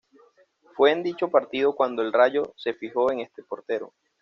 Fue en dicho partido cuando el Rayo se fijó en este portero.